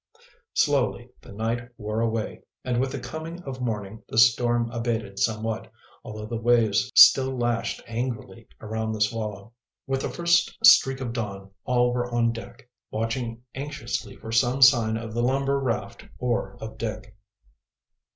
Slowly the night wore away, and with the coming of morning the storm abated somewhat, although the waves still lashed angrily around the Swallow. With the first streak of dawn all were on deck, watching anxiously for some sign of the lumber raft or of Dick.